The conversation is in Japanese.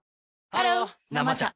ハロー「生茶」